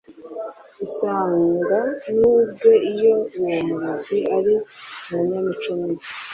isanga nubwe Iyo uwo murezi ari umunyamico mibi